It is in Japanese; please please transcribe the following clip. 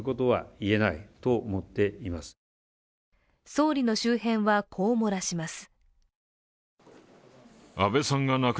総理の周辺は、こう漏らします。